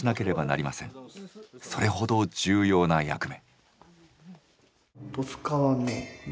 それほど重要な役目。